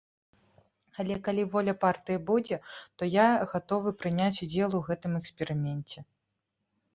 Але калі воля партыі будзе, то я гатовы прыняць удзел у гэтым эксперыменце.